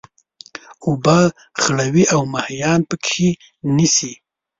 اوبه خړوي او ماهيان پکښي نيسي.